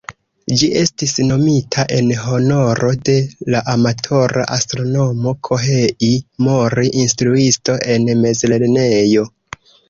Ĝi estis nomita en honoro de la amatora astronomo "Kohei Mori", instruisto en mezlernejo.